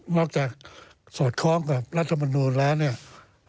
อกจากสอดคล้องกับรัฐมนูลแล้วเนี่ย